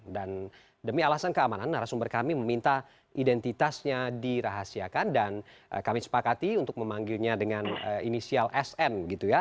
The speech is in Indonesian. dan demi alasan keamanan narasumber kami meminta identitasnya dirahasiakan dan kami sepakati untuk memanggilnya dengan inisial sm